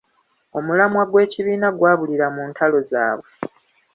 Omulamwa gw’ekibiina gwabulira mu ntalo zaabwe.